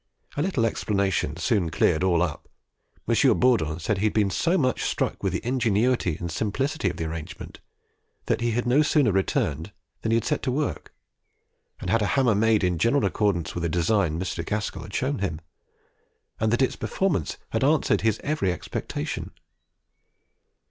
A little explanation soon cleared all up. M. Bourdon said he had been so much struck with the ingenuity and simplicity of the arrangement, that he had no sooner returned than he set to work, and had a hammer made in general accordance with the design Mr. Gaskell had shown him; and that its performances had answered his every expectation.